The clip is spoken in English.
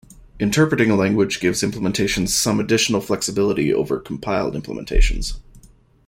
Interpreting a language gives implementations some additional flexibility over compiled implementations.